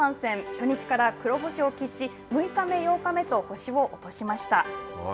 初日から黒星を喫し６日目、８日目と星を落としました。